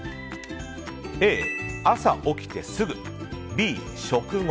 Ａ、朝起きてすぐＢ、食後